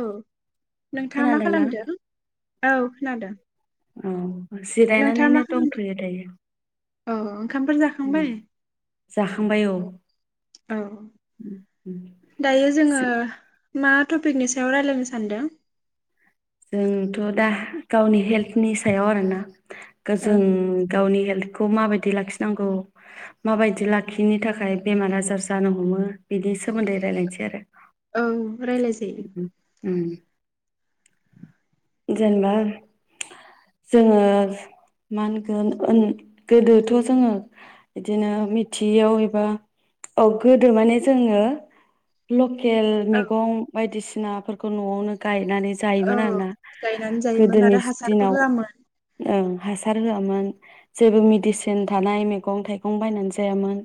औ नोंथाङा मा खोनादोंना खालामदों? औ खोनादों? औ जिरायनानैनो दंथ'यो दायो‌। ओ। ओंखामफ्रा जाखांबाय? जाखांबाय औ। औ उम दायो जोङो मा टपिकनि सायाव रायलायनो सानदों? जोंथ' दा गावनि हेल्थनि सायाव आरोना। औ गोजों गावनि हेल्थ खौ माबायदि लाखिनांगौ। माबायदि लाखियिनि थाखाय बेमार आजार जानो हमो बिनि सोमोन्दै रायलायनोसै आरो। औ। रायलायजायो। उम जेनेबा जोङो मा होनगोन गोदोथ' जोङो बिदिनो मिथियैयाव एबा औ गोदो माने जोङो ल केल औ मैगं बायदिसि नाफोरखौ न'आवनो गाय नानै औ जायोमोन आरोना। गायनानै जायोमोन आरो गोदोनिस हासारबो दिनाव होआमोन ओं हासार होआमोन। जेबो मिदिसिन थानाय मेगं थाइगं बायनानै जायामोन।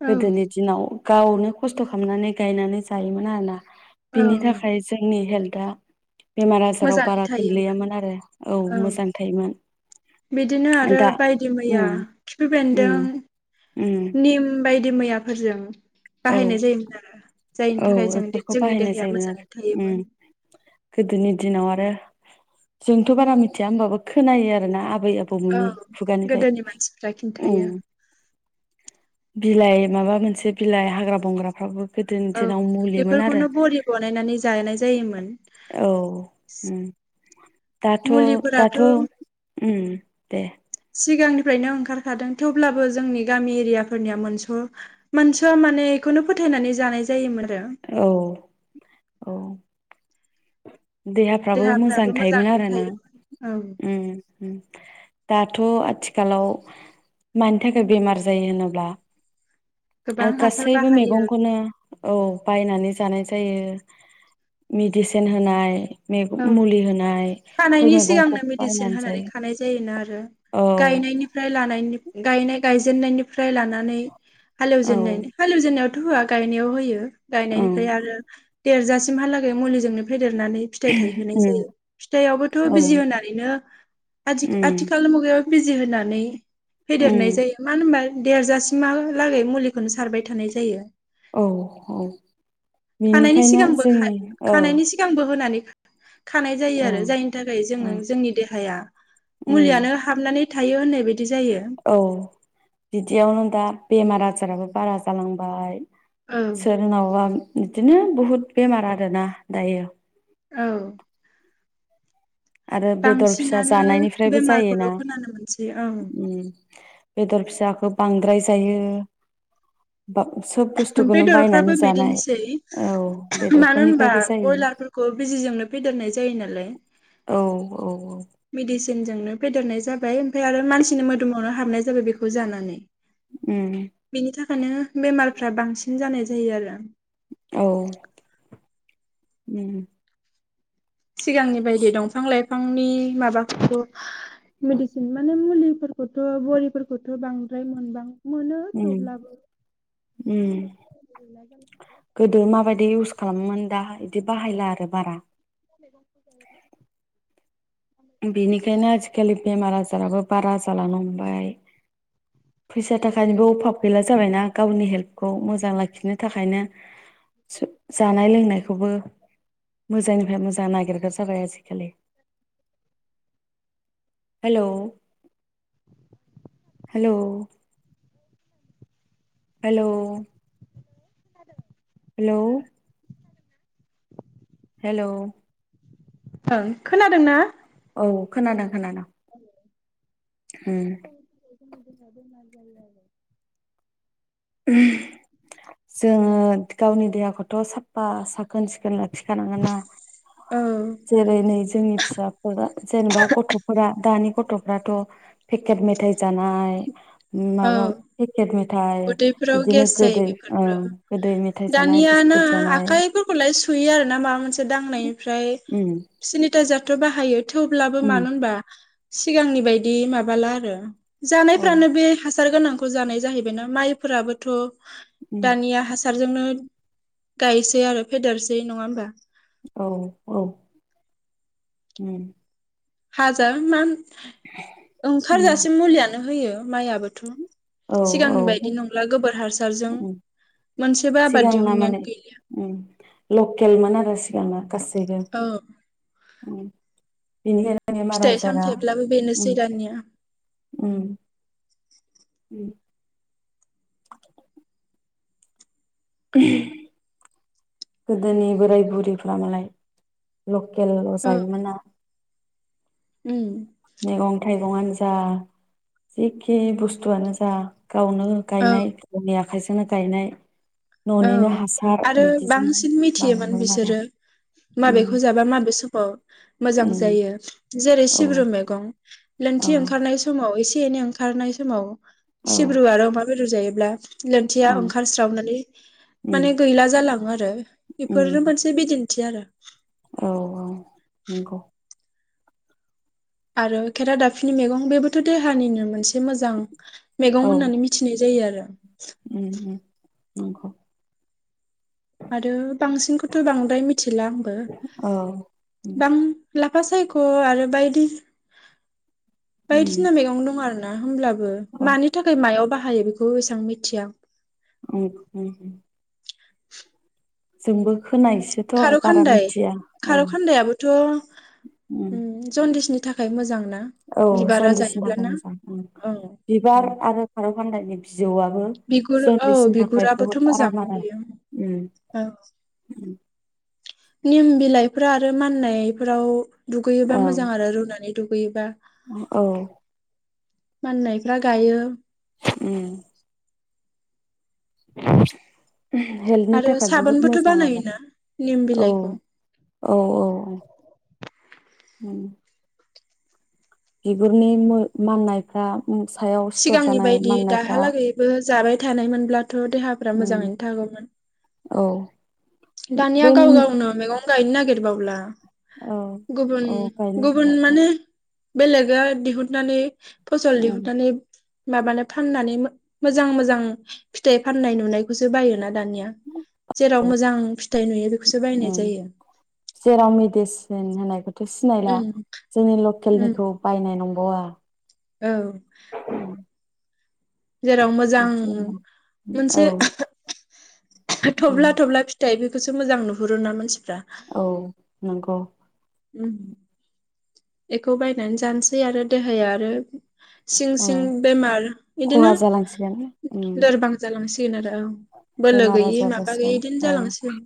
औ गोदोनि दिनाव गावनो खस्थ' खामनानै गायनानै जायोमोन आरोना। बिनि औ थाखाय जोंनि हेल्थ आ बेमार आजाराव मोजाङै थायोमोन गोग्लैयामोन आरो औ मोजां थायोमोन बिदिनो आरो दा बायदि मैया उम खिफि उम बेन्दों उम निम बायदि मैयाफोरजों औ बाहायनाय जायोमोन आरो जायनि औ थाखाय जों दि बेफोरखौ जोंनि बाहायनाय देहाया जायोमोन आरो मोजाङै उम थायोमोन। गोदोनि दिनाव आरो जोंथ' बारा मिथिया होमबाबो खोनायो आरोना आ बै औ आबौमोननि खुगानिफाय गोदोनि मानसिफ्रा उम। खिन्थायो बिलाइ माबा मोनसे बिलाइ हाग्रा बंग्राफ्राबो गोदोनि औ दिनाव मुलिमोन आरो बेफोरखौनो बरि बनायनानै जानाय जायोमोन औ उम दाथ' मुलिफोराथ' दाथ' उम दे। सिगांनिफ्रायनो ओंखारखादों थेवब्लाबो जोंनि गामि एरियाफोरनिया मोनस' मोनस'आ माने एखौनो फोथायनानै जानाय जायोमोन आ औ औ। देहाफ्राबो मोजां थायोमोन मोजाङैनो आरोना थायोमोन औ उम। उम दाथ' आथिखालाव मानि थाखाय बेमार जायो होनोब्ला ओ गोबां हासार गासैबो बाहायो मेगंखौनो औ बायनानै जानाय जायो मिडिसिन होनाय [unintelligible] औ मुलि होनाय फोर खानायनि मैगंखौ सिगांनो मेडिसिन बायनानै होनानै जायो खानाय जायोना आरो औ गायनायनिफ्राय लानायनि गायनाय-गायजेननायनिफ्राय लानानै हालौ औ जेननायनि हालौ जेननायाव थ' होआ गायनायाव होयो। ओं गायनायनिफ्राय आरो देरजासिमहालागै मुलिजोंनो फेदेरनानै फिथाइ थायहोनाय जायो उम फिथायाइआवबोथ' औ बिजि होनानैनो उम आथि-आथिखालनि मुगायाव बिजि होनानै फेदेरनाय उम जायो मानो होनबा देरजासिमहालागै मुलिखौनो सारबाय थानाय जायो। औ औ खानायनि बेनिखायनो सिगांबो खा जोंनि औ खानायनि सिगांबो होनानै खानाय जायो औ आरो जायनि थाखाय औ जोङो जोंनि देहाया उम मुलियानो हाबनानै थायो होननाय बा औ बिदियावनो दा बेमार आजाराबो बारा जालांबाय। औ सोरनावबा बिदिनो बहुद बेमार आरोना दायो। औ आरो बेदर फिसा बांसिनानो जानायनिफ्रायबो बेमारखौल' जायोना खोनानो मोनसै औ। उम बेदर फिसाखौ बांद्राय जायो। बा सोब बुस्थुखौनो बायनानै बेदरफ्राबो जानाय बिदिनोसै औ मानो होनबा बेदरफोरनिफ्रायबो जायो बयलारफोरखौ बिजिजोंनो फेदेरनाय जायो नालाय। औ औ मेदिसिनजोंनो फेदेरनाय जाबाय। ओमफ्राय आरो मानसिनि मोदोमावनो हाबनाय जाबाय बेखौ जानानै उम बेनि थाख ओंखायनो बेमारफ्रा बांसिन जानाय जायो आरो। औ उम सिगांनि बायदि दंफां लाइफांनि माबाफोरखौ मेडिसिन माने मुलिफोरखौथ' बरिफोरखौथ' बांद्राय मोनबां मोनो उम थेवब्लाबो उम मानो होनबा [inaudible] बिदि बाहायला आरो बारा। [inaudible] बेनिखायनो आजिखालि बेमार आजाराबो बारा जालांनो हमबाय फैसा थाखानिबो अभाब गैला जाबायना गावनि हेल्थखौ मोजां लाखिनो थाखायनो जानाय लोंनायखौबो मोजांनिफ्राय मोजां नागिरग्रा जाबाय आजि खालि hello hello hello hello hello hello ओं खोनादोंना औ खोनादों खोनादों उम [inaudible] बेमार जायो आरो जोङो गावनि देहाखौथ' साफा सा साखोन सिखोन लाखिखानांगोन ना आरो जेरै नै जोंनि फिसाफोरा जेनेबा गथ'फोरा दानि गथ'फ्राथ' पेकेट मेथायाइ जानाय माबा पेकेट आरो फोराव गेस जायो बेफोरबो मेथाइ जानाय दानिया ना बिस्कुट जानाय आखाइफोरखौलाय सुयो आरोना माबा मोनसे उम दांनायनिफ्राय जाथ' बाहायो थेवब्लाबो उम मानो होनबा सिगांनि बायदि माबाला आरो औ जानायफ्रानो बे हासार गोनांखौ जानाय जाहै माइफोराबोथ' उम दानिया हासार जोंनो गायसै आरो फेदेरसै नङा होमबा औ औ हाजार मा उम ओंखारजासे मुलियानो होयो। माइ आबोथ' औ औ हासारजों मोनसेबो आबाद सिगांना दिहुननायानो माने गैलिया ओम लकेलमोन आरो सिगांना गासैबो औ बिनि फिथाइ सामथायाइब्लाबो बेनोसै दानिया उम [inaudible] [inaudible] गोदोनि बोराय बुरैफ मालाय ल गेलल' औ सायोमोनना उम मैगं-थाइगं आनजा जिख बुस्थुआानो जा गावनो औ गायनायनि आखाइजोंनो गायनाय औ न'निनो हासार आरो बिदि बांसिन मिथियोमोन बिसोरो माबेखौ उम जाबा माबे समाव मोजां उम जायो जेरै औ सिब्रु मैगं औ लोनथि ओंखारनाय समाव एसे सेनै ओंखारनाय समाव औ सिब्रु आरो अमा बेरु जायो। ब्ला लोनथिया औ ओंखारस्रावनानै उम माने गैला जालाङो आरो बेफोरनो उम मोनसे बिदिन थि आरो औ औ नंगौ। आरो खेरा दाफिनि मैगं बेबोथ' देहानिनो मोनसे मोजां मैगं औ होननानै मिथिनाय जायो आरो उम उम। नंगौ। आरो बांसिनखौथ' बांद्राय मिथिला आंबो औ उम बां ला लाफा सायख' आरो बायदि उम बायदिसिना मैगं दं आरो न' दा होमब्लाब बो औ मानि थाखाय मायाव बाहाय बाहायो बेखौबो एसां मिथिया उम उम। जोंबो खोनायोसोथ' खार' बारा खान्दाय मिथिया औ खार' उम खान्दायाबोथ'उम जन्दिसनि नि थाखाय मोजां ना औ बिबारा जन्दिसनि थाखाय जायोब्लाना मोजां उम औ बिबार उम आरो फार खान्दायनिस जिउआबो बिगुर औ जन्दिसनि थाखाय बिगुराबोथ' बुहुत मोजां आराम आरो बेयो उम औ उम निम बिलाइफोरा आरो माननायफोराव दुगैयोबा ओं मोजां आरो रुनानै दुगैयोबा औ माननायफ्रा गायो उम ओबस हेल्थनि आरो थाखाय बहुद साबोनबोथ' मोजां आरो बानायोना निम औ बिलाइखौ औ औ उम बिगुरनि मो माननायफ्रा उम सायाव सिथर सिगांनि जानाय बायदि माननायफ्रा दाहालागैबो जाबाय थानायमोनब्ला थ' देहाफ्रा उम मोजाङैनो थागौमोन। औ दानिया बे गाव गाव नो मेगं गाइनो नागिर बावला औ गुबुन औ गायनो गुबुन नागिरला माने बेलेगा दिहुननानै फसल उम दिहुनथानै माबानो फाननानै मो-मोजां मोजां फिथाइ फाननाय नुनायखौसो बायोना दानिया जेराव मोजां फिथाइ नुयो बेखौसो बायनाय उम जायो जेराव मेडिसिन होननायखौथ' सिनायला उम जोंनि उम लकेलनिखौ बायनाय नं बावा औ जेराव मोजां बिदि मोनसे आरो। औ थब्ला थब्ला फिथाइ बेफ बेखौसो मोजां नुहुरो ना मानसि औ नंगौ ओम बेखौ बायनानै जानोसै आरो देहाया आरो सिं ओ सिं बेमार बिदिनो खहा जालांसिगोन उम लोरबां जालांसिगोन आरो औ बोलो बेमार गैयि आजार माबा जासिगोन गैयि इदिनो ओ जालांसिगोन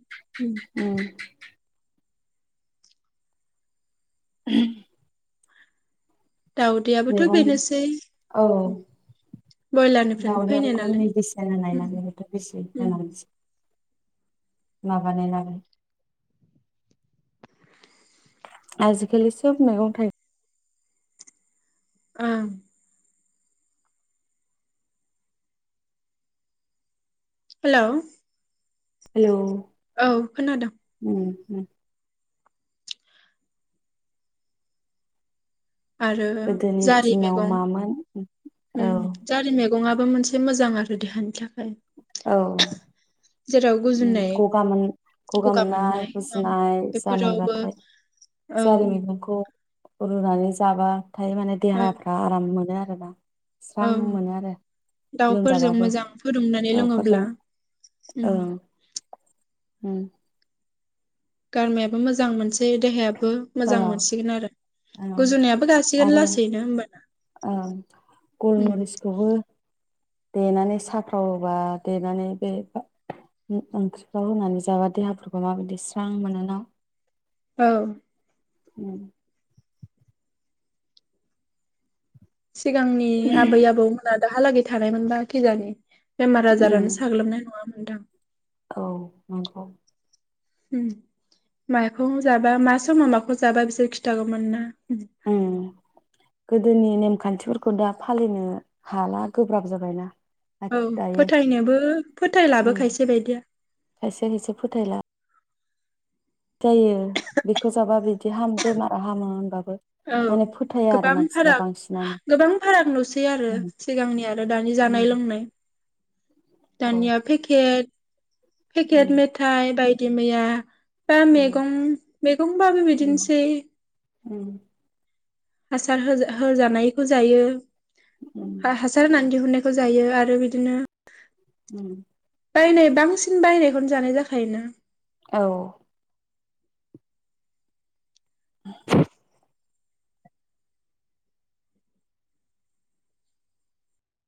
उम [inaudible] दाउदैयाबोथ' मैगं बेनोसै औ बयलारनिफ्रायनो फैनाय गावनियावबोथ' नालाय मेडिसिन उम होनना उम बेबोथ' [unintelligible] माबानाय ना आजिखालि सोब मैगं थाइ ओं हेलौ हेलौ औ खोनादों। उम उम। आरो गोदोनि जारि दिनाव मेगं मामोन औ ओम जारि मे गङाबो मोनसे मोजां आरो देहानि था औ। ओम जेराव गुजुनाय गगा मोन गगा मोननाय गुजुनाय जानायबाथाय औ जारि मैगंखौ रुनानै जाबा थाय माने औ देहाफ्रा आराम मोनो आ मोना औ दाउफोरजों लोमजाबाबो मोजां फुदुंनानै लोङोब्ला। दाउफोरजों उम ओं। उम। गारमायाबो मोजां मोनस सै देहायाबो ओ मोजां मोनसिगोन आरो ओं गुजुनायाबो गासिगोन आरो लासैनो होमबाना। ओं उम। गलमरिसखौबो देनानै साफ्राव बा देनानै बे ओंख्रिफ्राव होनानै जाबा देहाफोरखौ माबायदि स्रां मोनो ना। औ। उम। सिगांनि आबै आबौमोना दाहालागै थानायमोनबा खिजानि बेमार आजारानो साग्लोबनाय नङामोन। नोंथां। औ नंगौ। उम माखौ जाबा मा समाव माखौ जाबा बिसोर खिथागौमोन ना। उम अ गोदोनि नेम खान्थिफोरखौ दा फालिनो हाला गोब्राब जाबाय ना। औ फोथायनोबो फोथायलाबो उम खायसे बायदिया। खायसे खायसे फोथायला जायो बेखौ जाबा बि औ माने फोथाया आरो गोबां मानसिफ्रा फाराग बांसिनानो गोबां फाराग नुसै आरो औ सिगांनि आरो दानि जानाय उम लोंनाय। औ दानिया फेकेट फेकेट मेथाइ बाय दि मैया दा उम मेगं मेगंबाबो उम बिदिनोसै। उम। हासार होजा-होजानायखौ जायो। उम हासार होना दिहुननाय खौ जायो आरो बिदिनो उम बायनाय बांसिन बायनायखौनो जानाय जाखायोना। औ [inaudible]